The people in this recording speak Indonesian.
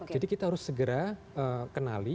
jadi kita harus segera kenali